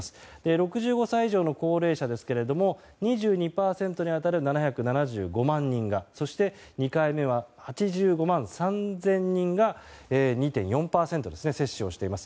６５歳以上の高齢者ですが２２％に当たる７７５万人がそして２回目は８５万３０００人が２．４％接種しています。